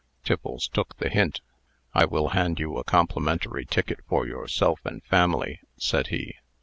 Tiffles took the hint. "I will hand you a complimentary ticket for yourself and family," said he.